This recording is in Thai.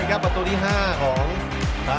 อันดับสุดท้ายของมันก็คือ